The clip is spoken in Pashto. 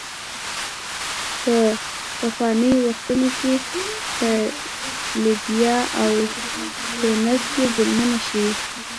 په پخوانیو وختونو کې په لیبیا او تونس کې ظلمونه شوي.